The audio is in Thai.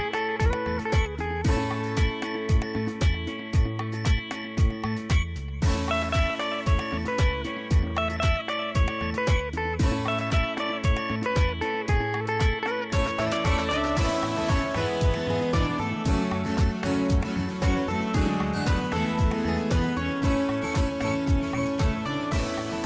โปรดติดตามตอนต่อไป